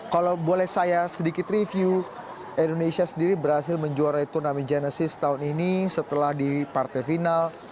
kalau boleh saya sedikit review indonesia sendiri berhasil menjuarai turnamen genesis tahun ini setelah di partai final